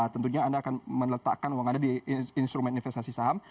tentunya anda akan meletakkan uang anda di instrumen investasi saham